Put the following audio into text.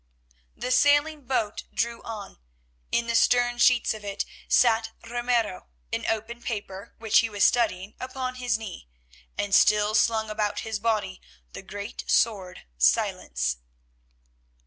The sailing boat drew on. In the stern sheets of it sat Ramiro, an open paper, which he was studying, upon his knee, and still slung about his body the great sword Silence.